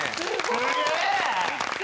すげえ！